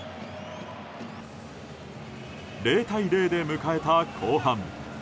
０対０で迎えた後半。